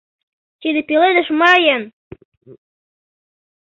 — Тиде пеледыш мыйын!